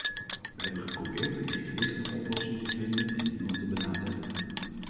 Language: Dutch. We hebben geprobeerd een evenwichtige oplossing te vinden en niemand te benadelen.